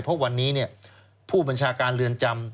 เพราะวันนี้ผู้บัญชาการเรือนจำ